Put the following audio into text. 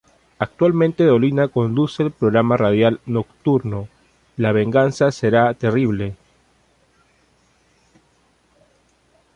Actualmente Dolina conduce el programa radial nocturno La venganza será terrible.